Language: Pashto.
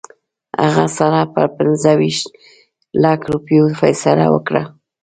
هغه سره پر پنځه ویشت لکه روپیو فیصله وکړه.